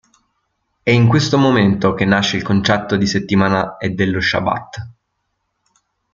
È in questo momento che nasce il concetto di settimana e dello Shabbat.